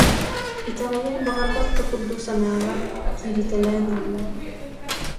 Итэҕэйиэн баҕарбат да курдук санааҕа кииритэлээн ылла